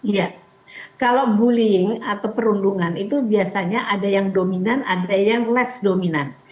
iya kalau bullying atau perundungan itu biasanya ada yang dominan ada yang less dominan